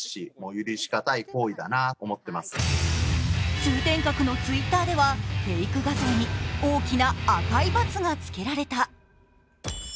通天閣のＴｗｉｔｔｅｒではフェイク画像に大きな赤いバツがつけられた。